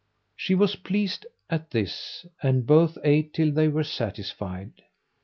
She was pleased at this and both ate till they were satisfied.